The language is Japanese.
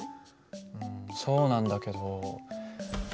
そうなんだけど。